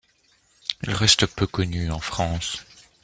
Il reste peu connu en France.